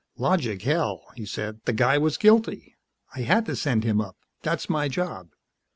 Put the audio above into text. "Logic, hell," he said. "The guy was guilty. I had to send him up. That's my job."